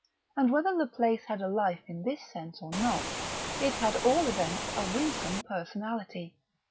And whether the place had life in this sense or not, it had at all events a winsome personality.